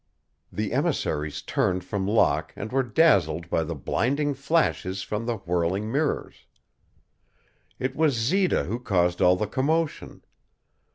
The emissaries turned from Locke and were dazzled by the blinding flashes from the whirling mirrors. It was Zita who caused all the commotion.